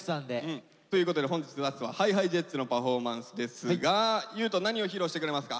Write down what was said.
ということで本日ラストはＨｉＨｉＪｅｔｓのパフォーマンスですが優斗何を披露してくれますか？